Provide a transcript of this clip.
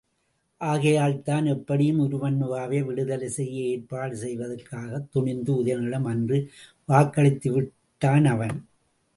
ஆகையால்தான், எப்படியும் உருமண்ணுவாவை விடுதலை செய்ய ஏற்பாடு செய்வதாகத் துணிந்து உதயணனிடம் அன்று வாக்களித்துவிட்டான் அவன்.